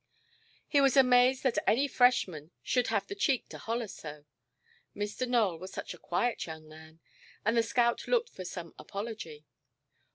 He was amazed that any freshman "should have the cheek to holler so". Mr. Nowell was such a quiet young man, that the scout looked for some apology.